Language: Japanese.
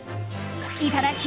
いただき！